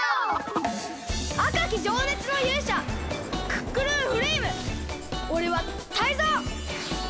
あかきじょうねつのゆうしゃクックルンフレイムおれはタイゾウ！